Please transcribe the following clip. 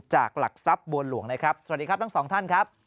หลักทรัพย์บัวหลวงนะครับสวัสดีครับทั้งสองท่านครับ